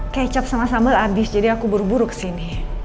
kecap sama sambal habis jadi aku buru buru kesini